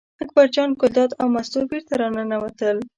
اکبر جان ګلداد او مستو بېرته راننوتل.